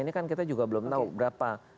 ini kan kita juga belum tahu berapa